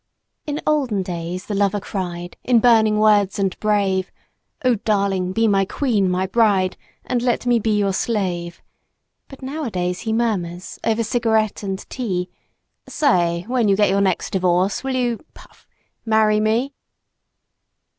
In olden days, the lover cried, in burning words and brave, "Oh darling, be my Queen, my Bride and let me be your slave!" But nowadays, he murmurs, over cigarette and tea, "Say, when you get your next divorce, will you (puff) marry me?"